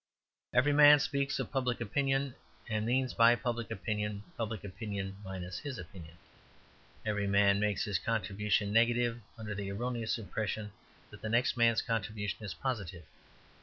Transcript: Every man speaks of public opinion, and means by public opinion, public opinion minus his opinion. Every man makes his contribution negative under the erroneous impression that the next man's contribution is positive.